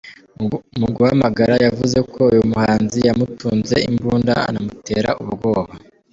Mu guhamagara yavuze ko uyu muhanzi yamutunze imbunda anamutera ubwoba.